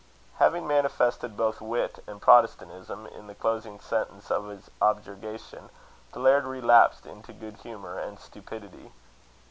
Having manifested both wit and Protestantism in the closing sentence of his objurgation, the laird relapsed into good humour and stupidity.